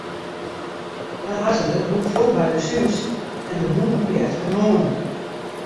De hazze rûn fuort by ús hús en de hûn gie efter him oan.